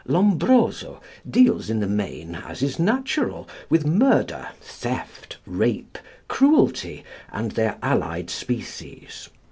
Lombroso deals in the main, as is natural, with murder, theft, rape, cruelty, and their allied species.